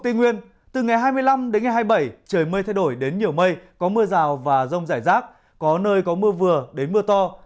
tây nguyên từ ngày hai mươi năm đến ngày hai mươi bảy trời mây thay đổi đến nhiều mây có mưa rào và rông rải rác có nơi có mưa vừa đến mưa to